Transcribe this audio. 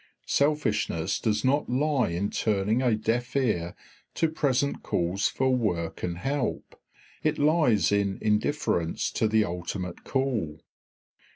Selfishness does not lie in turning a deaf ear to present calls for work and help; it lies in indifference to the ultimate call.